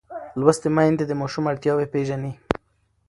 لوستې میندې د ماشوم اړتیاوې پېژني.